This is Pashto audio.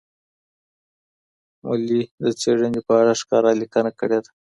مولي د څېړني په اړه ښکاره لیکنه کړې ده.